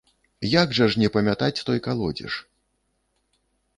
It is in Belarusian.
Як жа ж не памятаць той калодзеж?